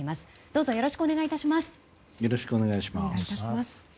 どうぞよろしくお願い致します。